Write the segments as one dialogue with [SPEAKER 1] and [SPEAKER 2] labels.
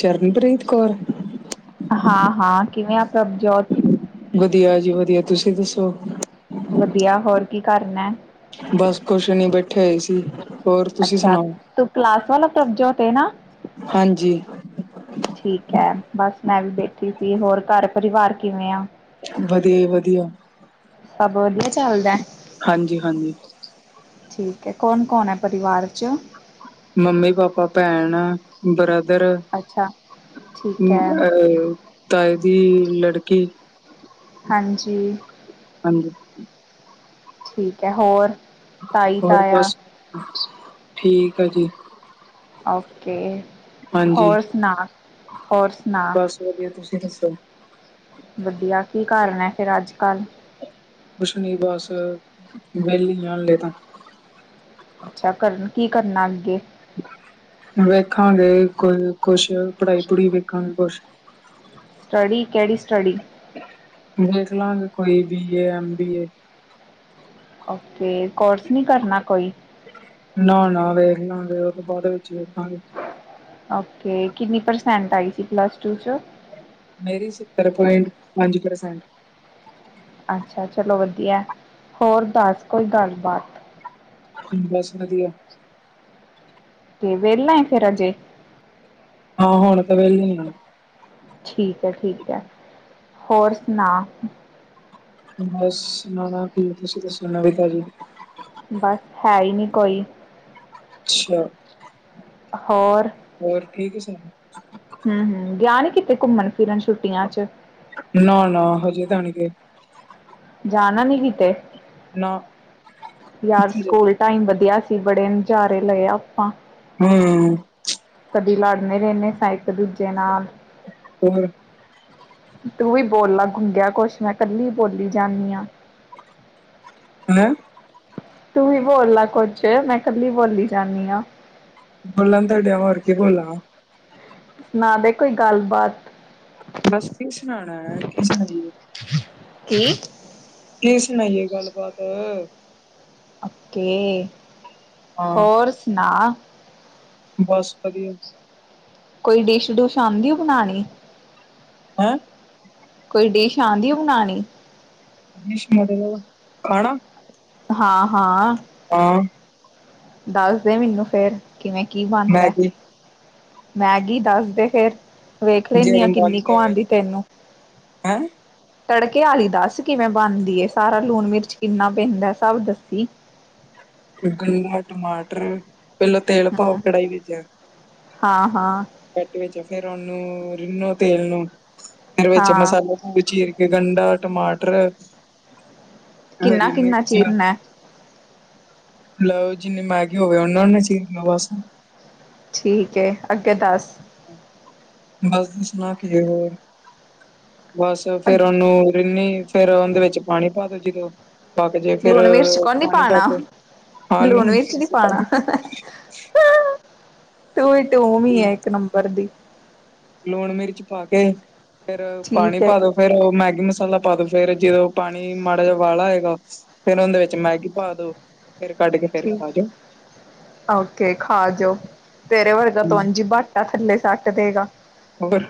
[SPEAKER 1] ਸ਼ਰਨਪ੍ਰੀਤ ਕੌਰ।
[SPEAKER 2] ਹਾਂ ਹਾਂ ਕਿਵੇਂ ਪ੍ਰਬਜੋਤ
[SPEAKER 1] ਵਧੀਆ ਜੀ ਵਧੀਆ ਤੁਸੀਂ ਦੱਸੋ।
[SPEAKER 2] ਵਧੀਆ ਹੋਰ ਕੀ ਕਰਨਾ।
[SPEAKER 1] ਬਸ ਖੁਸ਼ ਨੀ ਬੈਠੇ। ਹੋਏ ਸੀ ਹੋਰ ਤੁਸੀਂ
[SPEAKER 2] ਅੱਛਾ
[SPEAKER 1] ਸੁਣਾਓ
[SPEAKER 2] ਤ ਕਲਾਸ ਵਾਲਾ ਪ੍ਰਭਜੋਤ ਹੈ ਨਾ
[SPEAKER 1] ਹਾਂਜੀ
[SPEAKER 2] ਠੀਕ ਹੈ ਬਸ ਮੈਂ ਵੀ ਬੈਠੀ ਸੀ ਹੋਰ ਘਰ ਪਰਿਵਾਰ ਕਿਵੇਂ ਆ।
[SPEAKER 1] ਵਧੀਆ ਹੀ ਵਧੀਆ।
[SPEAKER 2] ਸਭ ਵਧੀਆ ਚੱਲਦਾ।
[SPEAKER 1] ਹਾਂਜੀ ਹਾਂਜੀ
[SPEAKER 2] ਠੀਕ ਹੈ ਕੌਣ ਕੌਣ ਹੈ ਪਰਿਵਾਰ 'ਚ।
[SPEAKER 1] ਮੰਮੀ ਪਾਪਾ ਭੈਣ ਬ੍ਰਦਰ।
[SPEAKER 2] ਅੱਛਾ ਠੀਕ ਐ
[SPEAKER 1] ਅਹ ਤਏ ਦੀ ਲੜਕੀ
[SPEAKER 2] ਹਾਂਜੀ,
[SPEAKER 1] ਹਾਂਜੀ
[SPEAKER 2] ਠੀਕ ਹੈ ਹੋਰ ਤਾਈ
[SPEAKER 1] ਹੋਰ
[SPEAKER 2] ਤਾਇਆ
[SPEAKER 1] ਬਸ ਠੀਕ ਆ ਜੀ।
[SPEAKER 2] ਓਕੇ
[SPEAKER 1] ਹਾਂਜੀ
[SPEAKER 2] ਹੋੋਰ ਸੁਣਾ ਹੋਰ ਸੁਣਾ
[SPEAKER 1] ਬਸ ਵਧੀਆ ਤੁਸੀਂ ਦੱਸੋ।
[SPEAKER 2] ਵਧੀਆ ਕੀ ਕਰ ਹੈ ਫੇਿਰ ਅੱਜ ਕੱਲ।
[SPEAKER 1] ਕੁਛਨੀ ਬਸ ਵਿਹਲੀ ਜਾਣ ਲ ਤਾਂ।
[SPEAKER 2] ਅੱਛਾ ਕਰਨ ਕੀ ਕਰਨਾ ਅੱਗੇ
[SPEAKER 1] ਵੇਖਾਂਗੇ ਕੋਈ ਕੁਛ ਪੜ੍ਹਾਈ ਪੜੂ ਵੇਖਾਂਗੇ ਕੁਛ।
[SPEAKER 2] ਸਟੱਡੀ ਕਿਹੜੀ ਸਟੱਡੀ।
[SPEAKER 1] ਦੇਖ ਲਾਂਗੇ ਕੋਈ ਬੀਏ ਐਮ ਬੀਏ
[SPEAKER 2] ਓ ਕੋਰਸ ਨਹੀਂ ਕਰਨਾ ਕੋਈ।
[SPEAKER 1] ਨਾ ਨਾ ਵੇਖ ਨਾ ਵੇ ਉਹਦੇ ਬਾਅਦ ਵਿੱਚ ਵੇਖਣਾ।
[SPEAKER 2] ਓਕੇ ਕਿੰਨੀ ਪਰਸੈਂਟ ਆਈ ਸੀ ਪਲੱਸ ਟੂ
[SPEAKER 1] ਮੇਰੀ ਸੱਤਰ ਪੁਆਇੰਟ ਪੰਜ ਪ੍ਰਸੈਂਟ।
[SPEAKER 2] ਅੱਛਾ ਚਲੋ ਵਧੀਆ ਹੋਰ ਦੱਸ ਕੋਈ ਗੱਲਬਾਤ।
[SPEAKER 1] ਬਸ ਵਧੀਆ।
[SPEAKER 2] ਤੇ ਵਹਲਾਾਂਏ ਫੇਿਰ ਅਜੇ
[SPEAKER 1] ਹਾਂ ਹੁਣ ਤਾਂ ਵਿਹਲੇ ਆ।
[SPEAKER 2] ਠੀਕ ਹੈ ਠੀਕ ਹੈ ਹੋਰ ਸੁਣਾ।
[SPEAKER 1] ਬਸ ਸੁਣਾਣਾ ਤੁਸੀਂ ਦੱਸੋ ਨਵਿਤਾ ਜੀ।
[SPEAKER 2] ਬਸ ਹੈ ਹੀ ਨਹੀ ਕੋਈ।
[SPEAKER 1] ਅੱਛਾ,
[SPEAKER 2] ਹੋਰ,
[SPEAKER 1] ਹੋਰ ਠੀਕ ਸੁਣਾ
[SPEAKER 2] ਹੂੰ ਹੂੰ, ਗਿਆ ਨੀ ਕਿਤੇ ਘੁੰਮਣ ਫਿਰਨ ਛੁੱਟੀਆਂ ਚ
[SPEAKER 1] ਨਾ ਨਾ ਹਜੇ ਤਾਂ ਨੀ ਗਏ।
[SPEAKER 2] ਜਾਣਾ ਨੀ ਕਿਤੇ।
[SPEAKER 1] ਨਾ
[SPEAKER 2] ਯਾਰ
[SPEAKER 1] ਕਿੱਥੇ ਜਾ
[SPEAKER 2] ਸਕੂਲ ਟਾਈਮ ਵਧੀਆ ਸੀ ਬੜੇ ਨਜ਼ਾਰੇ ਲਏ ਆਪਾਂ
[SPEAKER 1] ਹੂੰ,
[SPEAKER 2] ਕਦੀ ਲੜਨੇ ਰਹਿੰਦੇ ਸ ਇੱਕ ਦੂਜੇ ਨਾਲ।
[SPEAKER 1] ਹੋ
[SPEAKER 2] ਤੂੰ ਵੀ ਬੋਲ ਗੁੰਗਿਆ ਕੁਛ ਮੈਂ ਕੱਲੀ ਬੋਲੀ ਜਾਂਦੀ ਆ।
[SPEAKER 1] ਹਨ।
[SPEAKER 2] ਤੂੰ ਵੀ ਬੋਲਲਾ ਕੁੱਝ ਮੈਂ ਕੱਲੀ ਬੋਲੀ ਜਾਂਦੀ ਆ।
[SPEAKER 1] ਬੋਲਨ ਤਾਾਂ ਡਇਆ ਹੋਰ ਕੀ ਬੋਲਾ।
[SPEAKER 2] ਸੁਣਾ ਦੇ ਕੋਈ ਗੱਲ- ਬਾਤ।
[SPEAKER 1] ਬਸ ਕੀ ਸੁਣਾਣਾ ਐ ਕੀ ਸੁਣਾਈਏ।
[SPEAKER 2] ਕੀ?
[SPEAKER 1] ਕੀ ਸੁਣਾਈਯੇ ਗੱਲ- ਬਾਤ।
[SPEAKER 2] ਓ ਕੀ
[SPEAKER 1] ਹਾਂ
[SPEAKER 2] ਹੋਰ ਸੁਣਾ।
[SPEAKER 1] ਬਸ ਵਧੀਯਾ।
[SPEAKER 2] ਕੋਈ ਡਿਸ਼ ਡੁਸ਼ ਆਂਦੀ ਓ ਬਣਾਣੀ?
[SPEAKER 1] ਹੈਂ।
[SPEAKER 2] ਕੋਈ ਡਿਸ਼ ਆਦੀ ਓ ਬਣਾਣੀ?
[SPEAKER 1] ਡਿਸ਼ ਮੱਤਲਬ ਖਾਣਾ।
[SPEAKER 2] ਹਾਂ- ਹਾਂ।
[SPEAKER 1] ਹਾਂ।
[SPEAKER 2] ਦੱਸਦੇ ਮਿਨੂੰ ਫੇਰ ਕਿਵੇਂ ਕੀ ਬਣਦਾ,
[SPEAKER 1] ਮੈਗੀ
[SPEAKER 2] ਮੈਗੀ ਦੱਸਦੇ ਫੇਰ। ਵੇਖ ਲੇਨੀ ਆ
[SPEAKER 1] ਜਿਵੇਂ ਬਣ
[SPEAKER 2] ਕਿੰਨੀ ਕੁ
[SPEAKER 1] ਜਾਵੇ
[SPEAKER 2] ਆਦੀ ਤੈਨੂੰ।
[SPEAKER 1] ਹੈਂ
[SPEAKER 2] ਤੜਕੇ ਆਲੀ ਦੱਸ ਕਿਵੇਂ ਬਣਦੀ ਏ। ਸਾਰਾ ਲੂਣ ਮਿਰਚ ਕਿੰਨਾ ਪੈਂਦਾ ਸਭ ਦੱਸੀ।
[SPEAKER 1] ਗੰਨਾ, ਟਮਾਟਰ ਪਹਿਲਾ ਤੇਲ ਪਾਓ
[SPEAKER 2] ਹਮ
[SPEAKER 1] ਕੜਾਹੀ ਵਿੱਚ।
[SPEAKER 2] ਹਾਂ- ਹਾਂ।
[SPEAKER 1] ਕੱਟ ਵਿੱਚ ਫੇਰ ਉਹਨੂੰ ਰਿਨੋ ਤੇਲ ਨੂੰ ਫਿਰ ਵਿੱਚ
[SPEAKER 2] ਹਾਂ
[SPEAKER 1] ਮਸਾਲੇ ਵਿੱਚ ਚੀਰ ਕੇ ਗੰਡਾ ਟਮਾਟਰ
[SPEAKER 2] ਕਿੰਨਾ
[SPEAKER 1] ਹਰੀ
[SPEAKER 2] ਕਿੰਨਾ
[SPEAKER 1] ਮਿਰਚਾ
[SPEAKER 2] ਚੀਰਨਾ
[SPEAKER 1] ਲਓ ਜਿੰਨੀ ਮੈਗੀ ਹੋਵੇ। ਓਨਾ ਓਨਾ ਚੀਰ ਲਓ ਬਸ।
[SPEAKER 2] ਛੀਕ ਏ ਅੱਗੇ ਦੱਸ।
[SPEAKER 1] ਬਸ ਦ ਸੁਣਾ ਕੀ ਹੋਰ [unintelligible] ਬਸ ਫੇਰ ਉਨੂੰ ਰਿੰਨੀ ਫੇਰ ਓਂਦੇ ਵਿੱਚ ਪਾਣੀ ਪਾ ਦੋ ਜੀ ਹੋਰ। ਪਾਕ ਜੇ ਫਿਰ
[SPEAKER 2] ਲੂਣ ਮਿਰਚ ਕੋ ਨੀ
[SPEAKER 1] ਪਾਣੀ ਪਾ
[SPEAKER 2] ਪਾਣਾ
[SPEAKER 1] ਕੇ ਹਾਂ ਲੂਣ
[SPEAKER 2] ਮਿਰਚ ਨੀ ਪਾਣਾ
[SPEAKER 1] [unintelligible]
[SPEAKER 2] ਤੂੰ ਵੀ ਡੂਮ ਈ ਏ ਇੱਕ ਨੰਬਰ ਦੀ।
[SPEAKER 1] ਲੂਣ ਮਿਰਚ ਪਾ ਕੇ ਫੇਰ ਪਾਣੀ
[SPEAKER 2] ਠੀਕ ਹੈ
[SPEAKER 1] ਪਾ ਦੋ। ਫੇਰ ਉਹ ਮੈਗੀ ਮਸਾਲਾ ਪਾ ਦੋ। ਫੇਰ ਜਦੋਂ ਪਾਣੀ ਮਾੜਾ ਜਿਹਾ ਅਵਾਲਾ ਆਏਗਾ। ਫੇਰ ਔਂਦੇ ਵਿੱਚ ਮੈਗੀ ਪਾ ਦੋ। ਫੇਰ ਕੱਢ ਕੇ ਫੇਰ
[SPEAKER 2] ਠੀਕ
[SPEAKER 1] ਖਾ ਜਾਓ
[SPEAKER 2] ਓਕੇ ਖਾ ਜਓ ਤੇਰੇ ਵਰਗਾ ਤੇ ਓਂਜੀ ਬਟ ਏ ਥੱਲੇ ਸਟ ਦੇਗਾ।
[SPEAKER 1] ਹੋਰ।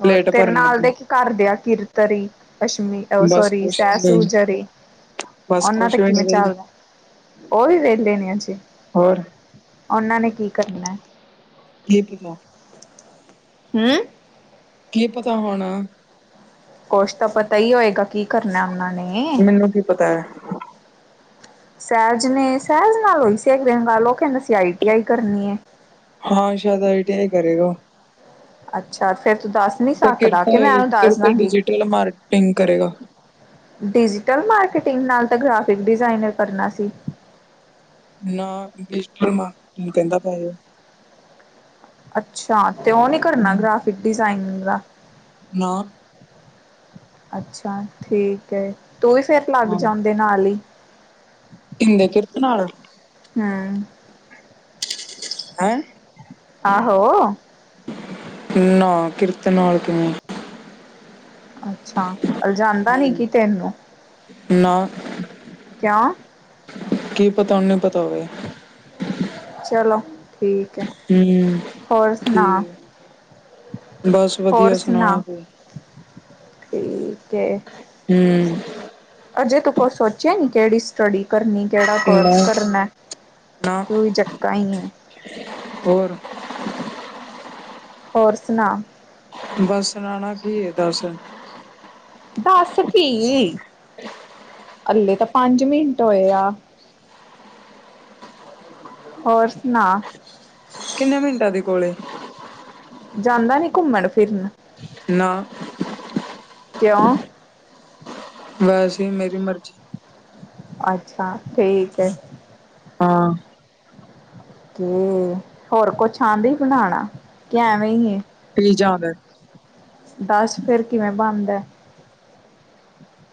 [SPEAKER 2] ਹੋਰ
[SPEAKER 1] ਪਲੇਟ
[SPEAKER 2] ਤੇਰੇ
[SPEAKER 1] ਭਰਨ
[SPEAKER 2] ਨਾਲ ਦੇ
[SPEAKER 1] ਲੱਗੀ
[SPEAKER 2] ਇੱਕ ਘਰਦੇ ਆ ਕੀਰਤ ਅਰੀ। ਅਸ਼ਮੀ ਔ
[SPEAKER 1] ਬਸ
[SPEAKER 2] ਸੋਰੀ
[SPEAKER 1] ਕੁਛ
[SPEAKER 2] ਸੈ ਸੂ
[SPEAKER 1] ਨਹੀਂ
[SPEAKER 2] ਜਰੀ।
[SPEAKER 1] ਬਸ
[SPEAKER 2] ਉਹਨਾਂ ਤੇ
[SPEAKER 1] ਕੁਛ ਵੀ ਨੀ
[SPEAKER 2] ਕਿਵੇਂ
[SPEAKER 1] ਵੇਲੇ
[SPEAKER 2] ਚੱਲਦਾ, ਉਹ ਵੀ ਵੇਖ ਲੈਨੇ ਆ ਜੀ।
[SPEAKER 1] ਹੋਰ।
[SPEAKER 2] ਉਨਾਂ ਨੇ ਕੀ ਕਰਨੈ।
[SPEAKER 1] ਲ ਪ [unintelligible] ਕਿ ਪਤਾ
[SPEAKER 2] ਹਮ।
[SPEAKER 1] ਕੀ ਪਤਾ ਹੋਣਾ।
[SPEAKER 2] ਕੋਸ਼ ਤਾਂ ਪਤਾ ਹੀ ਹੋਏਗਾ ਕੀ ਕਰਨੈ ਉਹਨਾਂ ਨੇ।
[SPEAKER 1] ਮੈਨੂੰ ਕੀ ਪਤਾ ਹੈ
[SPEAKER 2] ਸਹਿਜ ਨੇ, ਸਹਿਜ ਨਾਲ ਹੋਈ ਸੀ ਦਿਨ ਗੱਲ ਉਹ ਕਹਿੰਦਾ ਸੀ ਆਈ ਟੀ ਆਈ ਕਰਨੀ ਐ।
[SPEAKER 1] ਹਾਂ ਸ਼ਾਇਦ ਆਈ ਟੀ ਆਈ ਕਰੇਗਾ ਓਹ।
[SPEAKER 2] ਅੱਛਾ ਫੇਰ ਤੂ ਦੱਸ। ਨਹੀਂ
[SPEAKER 1] ਤੇ
[SPEAKER 2] ਸਕਦਾ ਕਿ ਮੈਂ
[SPEAKER 1] ਕਿਰਤੇ-
[SPEAKER 2] ਉਹਨੂੰ ਦੱਸ
[SPEAKER 1] ਕਿਰਤੇ
[SPEAKER 2] ਦਾਂਗੀ
[SPEAKER 1] ਡਿਜੀਟਲ ਮਾਰਕੀਟਿੰਗ ਕਰੇਗਾ।
[SPEAKER 2] ਡਿਜੀਟਲ- ਮਾਰਕੀਟਿੰਗ ਨਾਲ ਤਾਂ ਗ੍ਰਾਫਿਕ- ਡਿਜ਼ਾਇਨਰ ਕਰਨਾ ਸੀ।
[SPEAKER 1] ਨਾ ਡਿਜੀਟਲ- ਮਾਰਕੀਟਿੰਗ ਕਹਿੰਦਾ ਪਯਾ ਏ।
[SPEAKER 2] ਅੱਛਾ ਤੇ ਉਹ ਨੀ ਕਰਨਾ
[SPEAKER 1] ਇਹ
[SPEAKER 2] ਗ੍ਰਾਫਿਕ ਡਿਜ਼ਾਇਨਰ ਦਾ।
[SPEAKER 1] ਨਾ।
[SPEAKER 2] ਅੱਛਾ, ਠੀਕ ਹੈ। ਤੂੰ ਹੀ ਸਿਹਤਮੰਦ ਜਾ। ਤੇ ਨਾਲ ਹੀ
[SPEAKER 1] ਕਿਦੇ ਕੀਰਤ ਨਾਲ
[SPEAKER 2] ਹਮ
[SPEAKER 1] ਹੈ
[SPEAKER 2] ਆਹੋ।
[SPEAKER 1] ਨਾ ਕਿਰਤਨ ਨਾਲ ਕਿਵੇਂ
[SPEAKER 2] ਅੱਛਾ, ਅਲਜਾਂਦਾ ਨੀ
[SPEAKER 1] ਹੂੰ
[SPEAKER 2] ਕੀ ਤੈਨੂੰ?
[SPEAKER 1] ਨਾ।
[SPEAKER 2] ਕਿਆ?
[SPEAKER 1] ਕੀ ਪਤਾ ਉਹਨੂੰ ਈ ਪਤਾ ਹੋਵੇ।
[SPEAKER 2] ਚਲੋ, ਠੀਕ ਹੈ,
[SPEAKER 1] ਹੂੰ
[SPEAKER 2] ਹੋਰ ਸੁਣਾ?
[SPEAKER 1] ਠੀਕ ਬਸ
[SPEAKER 2] ਹੋਰ
[SPEAKER 1] ਵਧੀਆ ਸੁਣਾਉਣਾ
[SPEAKER 2] ਸੁਣਾ
[SPEAKER 1] [unintelligible]
[SPEAKER 2] ਠੀਕ ਏ।
[SPEAKER 1] ਹੂ
[SPEAKER 2] ਅਜੇ ਤੂੰ ਕੁਛ ਸੋਚਿਆ ਨੀ ਕਿਹੜੀ ਸਟੱਡੀ ਕਰਨੀ ਕਿਹੜਾ
[SPEAKER 1] ਨਾ
[SPEAKER 2] ਕੋਰਸ ਕਰਨਾ
[SPEAKER 1] ਨਾ
[SPEAKER 2] ਤੂੰ ਵੀ ਚੱਕਾਂ ਹੀ ਐ।
[SPEAKER 1] ਹੋਰ।
[SPEAKER 2] ਹੋਰ ਸੁਣਾ?
[SPEAKER 1] ਬਸ ਸੁਣਾਣਾ ਕੀ ਦੱਸ?
[SPEAKER 2] ਦੱਸ ਕੀ, ਅੱਲੇ ਤਾਂ ਪੰਜ ਮਿੰਟ ਹੋਏ ਆ। ਹੋਰ ਸੁਣਾ?
[SPEAKER 1] ਕਿੰਨੇ ਮਿੰਟਾਂ ਦੇ ਕੋਲ ਏ।
[SPEAKER 2] ਜਾਂਦਾ ਨੀ ਘੁੰਮਣ-ਫਿਰਨ?
[SPEAKER 1] ਨਾ।
[SPEAKER 2] ਕਯੌ?
[SPEAKER 1] ਵੈਸੇ ਹੀ ਮੇਰੀ ਮਰਜ਼ੀ
[SPEAKER 2] ਅੱਛਾ, ਠੀਕ ਐ।
[SPEAKER 1] ਹਾਂ।
[SPEAKER 2] ਕਿ ਹੋਰ ਕੁਛ ਆਂਦੇ ਹੀ ਬਣਾਉਣਾ? ਕਿ ਐਵੇਂ ਹੀ ਹੈ।
[SPEAKER 1] ਟੀ ਜਾਦੈ।
[SPEAKER 2] ਦਸ ਫੇਰ ਕਿਵੇਂ ਬਣਦੈ?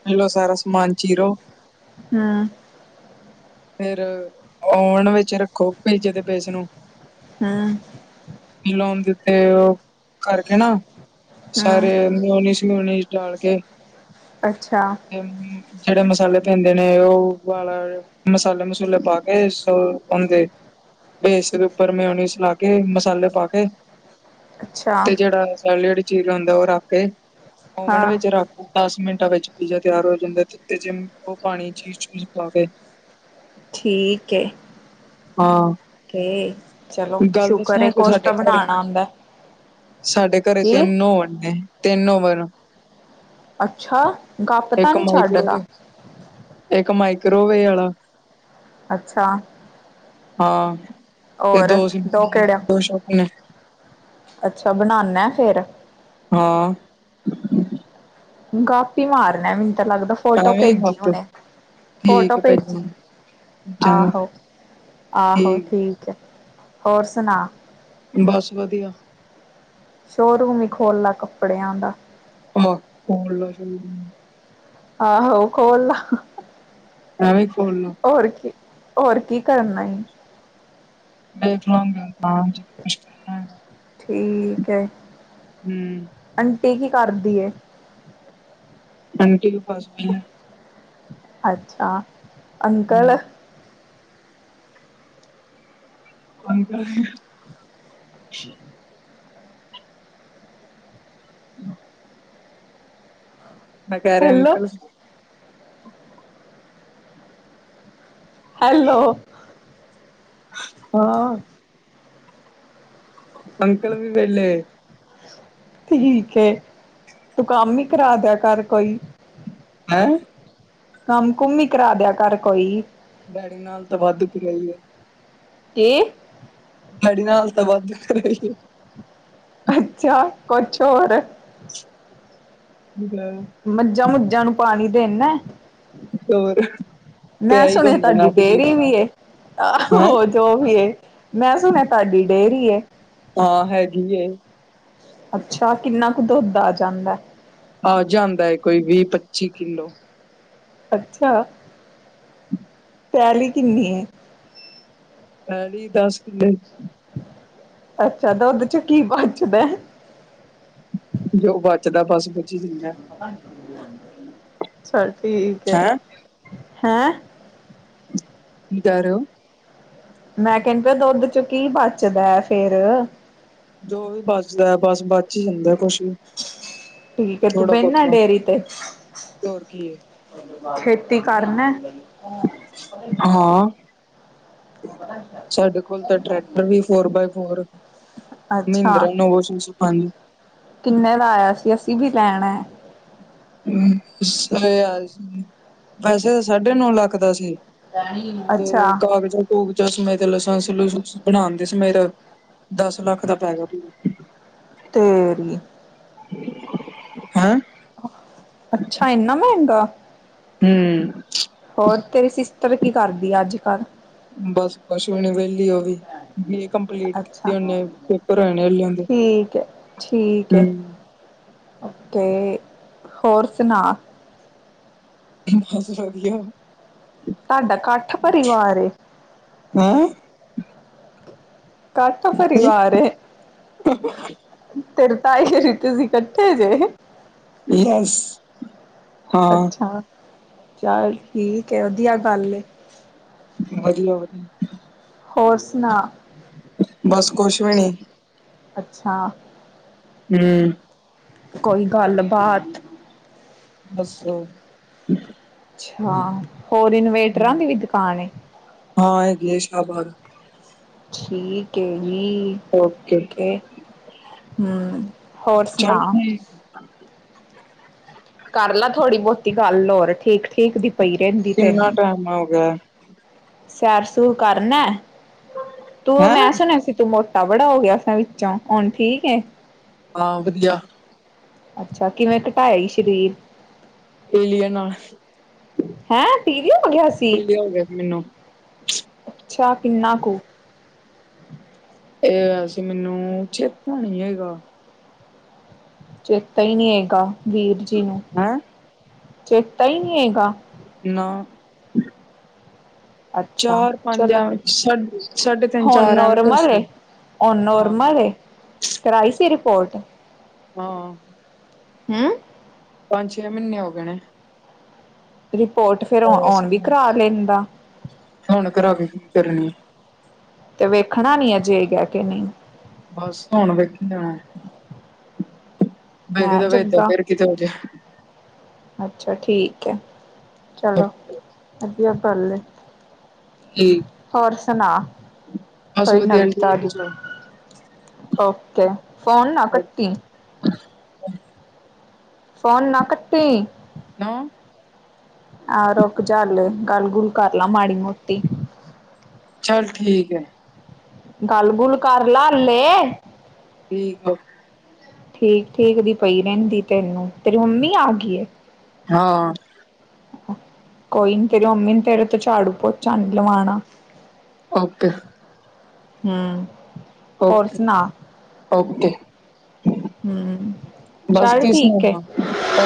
[SPEAKER 1] ਪੈਲੋ ਸਾਰਾ ਸਮਾਨ ਚੀਰੋ
[SPEAKER 2] ਹੂੰ।
[SPEAKER 1] ਫੇਰ ਓਵਨ ਵਿੱਚ ਰੱਖੋ ਪੀਜ਼ੇ ਦੇ ਪੇਸ ਨੂੰ
[SPEAKER 2] ਹੂੰ
[SPEAKER 1] ਮਿਲੋਨ ਜਿਥੇ ਓ ਕਰਕੇ ਨਾ
[SPEAKER 2] ਹੂੰ
[SPEAKER 1] ਸਾਰੇ ਮਿਓਨਿਸ-ਮਿਓਨਿਸ ਡਾਲ ਕੇ
[SPEAKER 2] ਅੱਛਾ।
[SPEAKER 1] [unintelligible] ਜੇੜੇ ਮਸਾਲੇ ਪੈਂਦੇ ਨੇ ਓ ਪਾ ਲੈਨੇ। ਮਸਾਲੇ -ਮਸੂਲੇ ਪਾ ਕੇ ਸੋ ਔੰਦੇ ਬੇਸ ਦੇ ਉੱਪਰ ਮਿਯੋਨਿਸ ਲਾ ਕੇ, ਮਸਾਲੇ ਪਾ ਕੇ
[SPEAKER 2] ਅੱਛਾ
[SPEAKER 1] ਤੇ ਜੇੜਾ ਸੈਲੇਡ ਚੀਰਯਾ ਹੁੰਦਾ ਓ ਰੱਖ ਕੇ ਓਵਨ
[SPEAKER 2] ਹਾਂ
[SPEAKER 1] ਵਿੱਚ ਰੱਖ ਦਸ ਮਿੰਟਾਂ ਵਿੱਚ ਪੀਜ਼ਾ ਤਿਆਰ ਹੋ ਜਾਂਦਾ ਜਿਤੇ ਜਿਮ ਉਹ ਪਾਣੀ ਚੀਜ਼ -ਚੂਜ ਪਾਵੇ।
[SPEAKER 2] ਠੀਕ ਏ।
[SPEAKER 1] ਹਾਂ।
[SPEAKER 2] ਕੇ ਚਲੋ
[SPEAKER 1] ਗੱਲ
[SPEAKER 2] ਸ਼ੁਕਰ ਏ
[SPEAKER 1] ਦੱਸਾਂ ਕਿ
[SPEAKER 2] ਕੁਛ
[SPEAKER 1] ਸਾਡੇ
[SPEAKER 2] ਤਾਂ
[SPEAKER 1] ਘਰੇ
[SPEAKER 2] ਬਣਾਣਾ ਆੰਦੈ।
[SPEAKER 1] ਸਾਡੇ ਘਰੇ ਤਿੰਨ ਓਵੰਣ ਨੇ, ਤਿੰਨ ਓਵਨ।
[SPEAKER 2] ਅੱਛਾ! ਗੱਪ ਤਾਂ
[SPEAKER 1] ਇੱਕ
[SPEAKER 2] ਨੀ ਛੱਡਦਾ।
[SPEAKER 1] ਮਾਈਕਰੋਵੇ ਇੱਕ ਮਾਈਕ੍ਰੋਵੇ ਵਾਲਾ
[SPEAKER 2] ਅੱਛਾ।
[SPEAKER 1] ਹਾਂ ਤੇ
[SPEAKER 2] ਔਰ
[SPEAKER 1] ਦੋ ਸਿੰ ਨੇ
[SPEAKER 2] ਕਿਹੜਾ
[SPEAKER 1] ਦੋ ੋਪ ਨੇ
[SPEAKER 2] ਅੱਛਾ ਬਣਾਉਾਨਦਾ ਫੇਰ
[SPEAKER 1] ਹਾਂ।
[SPEAKER 2] ਗਪ ਹੀ ਮਾਰਨਾ ਮੈਨੂੰ ਤਾਂ ਲੱਗਦਾ। ਫੋਟੋ
[SPEAKER 1] ਐਵੇਂ ਹੀ
[SPEAKER 2] ਭੇਜੀ
[SPEAKER 1] ਕੱਪ
[SPEAKER 2] ਹੁਣੇ ਫੋਟੋ
[SPEAKER 1] ਠੀਕ ਭੇਜਣਾ
[SPEAKER 2] ਭੇਜੀ
[SPEAKER 1] ਚੰਗਾ
[SPEAKER 2] ਆਹੋ। ਆਹੋ ਠੀਕ ਹੈ ਹੋਰ ਸੁਣਾ।
[SPEAKER 1] ਬਸ ਵਧੀਆ।
[SPEAKER 2] ਸ਼ੋਰੂਮ ਹੀ ਖੋਲ੍ਹਲਾ ਕੱਪੜਿਆਂ ਦਾ।
[SPEAKER 1] ਹਹ ਹੋ।
[SPEAKER 2] ਆਹੋ ਖੋਲਲਾ।
[SPEAKER 1] ਐਵੇਂ ਖੋਲ ਲਾ
[SPEAKER 2] ਹੋਰ ਕੀ, ਹੋਰ ਕੀ ਕਰਨਾ।
[SPEAKER 1] ਬਿਲਕੁਲ ਬਿਲਕੁਲ ਹਾਂ। [unintelligible]
[SPEAKER 2] ਠੀਕ ਹੈ।
[SPEAKER 1] ਹਮ
[SPEAKER 2] ਆਂਟੀ, ਕੀ ਕਰਦੀ ਏ।
[SPEAKER 1] ਆਂਟੀ ਕੇ, ਪਾਸ ਹੈ।
[SPEAKER 2] ਅੱਛਾ। ਅੰਕਲ?
[SPEAKER 1] ਅੰਕਲ।
[SPEAKER 2] ਹਮਮ।
[SPEAKER 1] ਕਿ ਨਾੈਂ ਕ ਰ
[SPEAKER 2] ਹੈਲੋ
[SPEAKER 1] ਅੰਕਲ
[SPEAKER 2] ਹੈਲੋ।
[SPEAKER 1] ਹਾਂ। ਅੰਕਲ, ਵੀ ਵੇਲੇ।
[SPEAKER 2] ਠੀਕ ਏ। ਤੂੰ ਕੰਮ ਹੀ, ਕਰਾ ਦਿਆ ਕਰ ਕੋਈ।
[SPEAKER 1] ਹੈਂ।
[SPEAKER 2] ਕੰਮ- ਕੁਮ ਹੀ, ਕਰਾ ਦਿਆ ਕਰ ਰ ਕੋਈ।
[SPEAKER 1] ਡੈਡੀ ਨਾਲ, ਤਾਂ ਵੱਧੁਕ ਰਹੀ ਹੈ।
[SPEAKER 2] ਕੀ ਐ।
[SPEAKER 1] ਸਾਡੀੇ ਨਾਲ, ਤਾਂ ਵਾਧੂ ਕਰਹੀ।
[SPEAKER 2] ਅੱਛਾ। ਕੁਛ ਹੋਰ?
[SPEAKER 1] ਹ। [unintelligible]
[SPEAKER 2] ਮੱਝਾਂ- ਮੁੱਝਾਂ ਨੂੰ, ਪਾਣੀ ਦੇਂਦਾ?
[SPEAKER 1] ਹੋਰ ਤੇ
[SPEAKER 2] ਮੈਂ
[SPEAKER 1] ਇਹੀ
[SPEAKER 2] ਸੁਣਿਆ,
[SPEAKER 1] ਹੁੰਦਾ ਨਾ
[SPEAKER 2] ਤੁਹਾਡੀ
[SPEAKER 1] ਫਿਰ ਦੀਦੀ
[SPEAKER 2] ਡੇਰੀ
[SPEAKER 1] ਨੂੰ।
[SPEAKER 2] ਵੀ ਆ।
[SPEAKER 1] ਹੈਂ
[SPEAKER 2] ਆਹੋ। ਜੋ ਵੀ ਏ। ਮੈਂ ਸੁਣਿਆ ਤੁਹਾਡੀ ਡੇਅਰੀ ਏ।
[SPEAKER 1] ਹਾਂ, ਹੈਗੀ ਹੈ।
[SPEAKER 2] ਅੱਛਾ। ਕਿੰਨਾ ਕੁ ਦੁੱਧ ਆ ਜਾਂਦਾ।
[SPEAKER 1] ਆ ਜਾਂਦਾ ਹੈ, ਕੋਈ ਵੀਹ, ਪੱਚੀ ਕਿੱਲੋ।
[SPEAKER 2] ਅੱਛਾ। ਪੈਲੀ ਕਿੰਨੀ ਐ?
[SPEAKER 1] ਪੈਲੀ, ਦੱਸ ਕਿੱਲੇ।
[SPEAKER 2] ਅੱਛਾ। ਤਾਂ ਉਹਦੇ, ਚੋਂ ਕੀ ਬਚਦਾ?
[SPEAKER 1] ਜੋ ਬਚਦਾ, ਬਸ ਬੱਚੀ ਜਿੰਨਾ।
[SPEAKER 2] ਚੱਲ ਠੀਕ ਹੈ,
[SPEAKER 1] ਹੈਂ।
[SPEAKER 2] ਹੈਂ।
[SPEAKER 1] ਨ ਤਾਂਾਰ।
[SPEAKER 2] ਮੈਂ ਕਹਿੰਣ ਪਿਆ, ਦੁੱਧ ਚੋਂ ਕੀ ਬਚਦਾ ਫੇਰ?
[SPEAKER 1] ਜੋ ਵੀ, ਬਚਦਾ ਬਸ ਬਚ ਹੀ, ਜਾਂਦਾ ਕੁਛ ਵੀ।
[SPEAKER 2] ਠੀਕ ਹੈ। ਤੂੰ
[SPEAKER 1] ਥੋੜਾ
[SPEAKER 2] ਬਹਿੰਨਾ
[SPEAKER 1] ਬਹੁਤਾ
[SPEAKER 2] ਡੇਅਰੀ ਤੇ।
[SPEAKER 1] ਹੋਰ ਕੀ ਏ
[SPEAKER 2] ਖੇਤੀ ਕਰਨਾ।
[SPEAKER 1] ਹਾਂ। ਸਾਡੇ ਕੋਲ ਤਾਂ, ਟਰੈਕਟਰ ਵੀ ਫੋਰ ਬਾਏ ਫੋਰ। ਮਹਿੰਦਰਾ
[SPEAKER 2] ਅੱਛਾ
[SPEAKER 1] ਨੋਵੋ, ਸੀ ਸੀ ਪੰਜ।
[SPEAKER 2] ਕਿੰਨੇ ਦਾ, ਆਇਆ ਸੀ। ਅਸੀਂ ਵੀ ਲੈਣਾ ਐ।
[SPEAKER 1] ਵੈਸੇ ਤਾਂ, ਸਾਢੇ ਨੌ ਲੱਖ, ਦਾ ਸੀ। ਤੇ
[SPEAKER 2] ਅੱਛਾ
[SPEAKER 1] ਕਾਗਜ਼ਾਂ- ਕੂਗਜ਼ਾਂ ਸਮੇਤ, ਲਸਾਂਸ- ਲੁਸਸ ਬਣਾਂਦੇ ਸਮੇਤ। ਦਸ ਲੱਖ, ਦਾ ਪੈ ਗਿਆ ਪੂਰਾ।
[SPEAKER 2] ਤੇ ਰੀ।
[SPEAKER 1] ਹੈਂ।
[SPEAKER 2] ਅੱਛਾ। ਇੰਨਾ ਮਹਿੰਗਾ।
[SPEAKER 1] ਹੂੰ।
[SPEAKER 2] ਹੋਰ, ਤੇਰੀ ਸਿਸਟਰ, ਕੀ ਕਰਦੀ ਆ। ਅੱਜ ਕੱਲ।
[SPEAKER 1] ਬਸ ਕੁਸ਼ ਵੀ ਣੀ, ਵਿਹਲੀ ਉਹ ਵੀ। ਬੀਏ, ਕੰਪਲੀਟ
[SPEAKER 2] ਅੱਛਾ
[SPEAKER 1] ਕੀਤੀ ਉਨੇ। ਪੇਪਰ ਹੋਏ ਨੇ, ਹਲੇ ਹੁੰਦੇ।
[SPEAKER 2] ਠੀਕ ਹੈ, ਠੀਕ ਹੈ। ਤੇ ਹੋਰ ਸੁਣਾ?
[SPEAKER 1] ਬਸ ਵਧੀਆ।
[SPEAKER 2] ਤੁਹਾਡਾ, ਇਕੱਠ ਪਰਿਵਾਰ ਏ।
[SPEAKER 1] ਹੈਂ
[SPEAKER 2] ਕਰਤਾ
[SPEAKER 1] ਕੀ?
[SPEAKER 2] ਪਰਿਵਾਰ ਏ। ਤੇਰੇ ਤਾਈ ਹੁਣੀ ਤੁਸੀਂ ਇਕੱਠੇ ਜੇ।
[SPEAKER 1] ਯੈੱਸ
[SPEAKER 2] ਅੱਛਾ, ਚੱਲ ਠੀਕ ਹੈ, ਵਧੀਆ ਗੱਲ ਐ।
[SPEAKER 1] ਵਧੀਆਂ- ਵਧੀਆਂ।
[SPEAKER 2] ਹੋਰ ਸੁਣਾ?
[SPEAKER 1] ਬਸ ਕੁਛ ਵੀ ਨੀ।
[SPEAKER 2] ਅੱਛਾ
[SPEAKER 1] ਹਮ
[SPEAKER 2] ਕੋਈ ਗੱਲਬਾਤ।
[SPEAKER 1] ਹੱਸੋ
[SPEAKER 2] ਅੱਛਾਂ ਹੋਰ ਇਨਵੇਟਰਾਂ
[SPEAKER 1] ਹੂੰ,
[SPEAKER 2] ਦੀ ਵੀ ਦੁੱਕਾਨ ਏਂ।
[SPEAKER 1] ਹਾਂ ਹੈਗੀ ਇਹ ਸ਼ਾਹਬਾਦ।
[SPEAKER 2] ਠੀਕ ਐਂ ਜੀਂ।
[SPEAKER 1] ਓਕੇ।
[SPEAKER 2] ਫੇਰ ਹਮ ਹੋਰ ਸੁਣਾ?
[SPEAKER 1] ਚੱਲ ਠੀਕ
[SPEAKER 2] ਕਰ ਲੈ ਥੋੜ੍ਹੀ ਬਹੁਤੀ ਗੱਲ ਹੋਰ ਠੀਕ ਠੀਕ ਦੀ ਪਈ ਰਹਿੰਦੀ
[SPEAKER 1] ਕਿੰਨਾ
[SPEAKER 2] ਤੈਨੂੰ।
[SPEAKER 1] ਟਾਈਮ ਹੋ ਗਿਆ।
[SPEAKER 2] ਸੈਰ ਸੂਰ ਕਰਨਾਂ ਤੂੰ
[SPEAKER 1] ਹੈਂ।
[SPEAKER 2] ਮੈਂ ਸੁਣਿਆਂ ਸੀ ਤੂੰ ਮੋਟਾਂ। ਮੋਟਾ ਬੜਾ ਹੋ ਗਿਆਂ ਵਿੱਚੋਂ ਹੁਣ ਠੀਕ ਏ।
[SPEAKER 1] ਹਾਂ ਵਧੀਆਂ।
[SPEAKER 2] ਅੱਛਾ ਕਿਵੇਂ ਘਟਾਇਆਂ ਈ ਸਰੀਰ।
[SPEAKER 1] ਏਲੀਅਨ ਨਾਲ।
[SPEAKER 2] ਹੈ ਟੀ ਵੀ ਹੋ ਗਿਆ ਸੀ।
[SPEAKER 1] ਪੀਲੀਆਂ ਹੋ ਗਿਆਂ ਸੀ ਮੈਨੂੰ।
[SPEAKER 2] ਅੱਛਾਂ ਕਿੰਨਾਂ ਕੁੱ?
[SPEAKER 1] ਇਹ ਹੋਇਆਂ ਸੀ ਮੈਨੂੰ ਚੇਤਾਂ ਨੀ ਹੈਗਾ।
[SPEAKER 2] ਚੇਤਾ ਹੀ ਨਹੀਂ ਹੈਗਾਂ ਵੀਰ ਜੀ, ਨੂੰ
[SPEAKER 1] ਹੈਂ।
[SPEAKER 2] ਚੇਤਾ ਹੀ ਨਹੀਂ ਹੈਗਾਂ।
[SPEAKER 1] ਨਾਂ
[SPEAKER 2] ਅੱਛਾ,
[SPEAKER 1] ਚਾਰ ਪੰਜ
[SPEAKER 2] ਚਲੋ
[SPEAKER 1] ਐਵੇਂ ਸਾ ਸਾਢੇ ਤਿੰਨ
[SPEAKER 2] ਹੁੱਣ
[SPEAKER 1] ਚਾਰ ਐਵੇਂ ਕੁਛ
[SPEAKER 2] ਨੋਰਮਲ
[SPEAKER 1] ਸੀ
[SPEAKER 2] ਐਂ। ਹੁੱਣ
[SPEAKER 1] ਹਾਂ।
[SPEAKER 2] ਨੋਰਮਲ ਏਂ ਕਰਾਈਂ ਸੀਂ ਰਿਪੋਰਟ?
[SPEAKER 1] ਹਾਂ
[SPEAKER 2] ਹਮ
[SPEAKER 1] ਪੰਜ ਛੇਂ ਮਹੀਨੇ ਹੋ ਗਏਂ ਨੇਂ।
[SPEAKER 2] ਰਿਪੋਰਟ ਫੇਂਰ
[SPEAKER 1] ਪਾਇਆ
[SPEAKER 2] ਹੁਣ
[SPEAKER 1] ਸੀ
[SPEAKER 2] ਵੀ ਕਰਾਂ ਲੈਂਦਾ।
[SPEAKER 1] ਹੁਣ ਘਰਾ ਕੇ ਕੀ ਕਰਨੀ
[SPEAKER 2] ਤੇ ਵੇਖਣਾਂ ਨੀ ਅਜੇਂ ਕਹਿ ਕੇਂ ਨਹੀਂ।
[SPEAKER 1] ਬਸ ਹੁੱਣ ਵੇਖੀਂ ਜਾਣਾਂ।
[SPEAKER 2] ਹੈਂ ਜਿਦਾਂ ਅੱਛਾ ਠੀਕ ਹੈ। ਚਲੋ ਵਧੀਆ ਕਰਲੇ।
[SPEAKER 1] ਜੀ।
[SPEAKER 2] ਹੋਰ ਸੁਣਾ, ਕੋਈ
[SPEAKER 1] ਵਧੀਆ
[SPEAKER 2] ਨਵੀਂ
[SPEAKER 1] ਠੀਕ
[SPEAKER 2] ਤਾਜ਼ੀ?
[SPEAKER 1] ਚੱਲ
[SPEAKER 2] ਓਕੇ ਫੋਨ ਨਾ ਕੱਟੀ। ਫੋਨ ਨਾ ਕੱਟੀ।
[SPEAKER 1] ਨਾ
[SPEAKER 2] ਹਾ ਰੁਕ ਜਾ ਹਜੇ ਗਲ ਗੁਲ ਕਰ ਲਾ ਮਾੜੀ ਮੋਟੀ।
[SPEAKER 1] ਚਲ ਠੀਕ ਹੈ।
[SPEAKER 2] ਗੱਲ ਗੁੱਲ ਕਰ ਲੈ ਹੱਲੇ।
[SPEAKER 1] ਠੀਕ ਆ।
[SPEAKER 2] ਠੀਕ, ਠੀਕ ਦੀ ਪਈ ਰਹਿੰਦੀ ਤੈਨੂੰ ਤੇਰੀ ਮੰਮੀ ਆ ਗਈ ਏ?
[SPEAKER 1] ਹਾਂ
[SPEAKER 2] ਕੋਈ ਨੀ ਤੇਰੀ ਮੰਮੀ ਨੇ ਤੇਰੇ ਤੋਂ ਝਾੜੂ ਪੋਚਾ ਨੀ ਲਵਾਉਣਾ।
[SPEAKER 1] ਓਕੇ।
[SPEAKER 2] ਹੁ
[SPEAKER 1] ਓਕੇ।
[SPEAKER 2] ਹੂੰ
[SPEAKER 1] ਬਸ
[SPEAKER 2] ਚੱਲ
[SPEAKER 1] ਕੀ
[SPEAKER 2] ਠੀਕ ਏ
[SPEAKER 1] ਸੁਣਾਵਾ